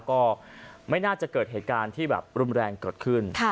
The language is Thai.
ก็ไม่น่าจะเกิดเหตุการณ์ที่แบบรุนแรงเกิดขึ้น